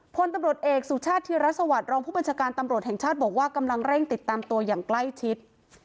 พลตำรวจเอกสุชาติธิรสวัสดิรองผู้บัญชาการตำรวจแห่งชาติบอกว่ากำลังเร่งติดตามตัวอย่างใกล้ชิด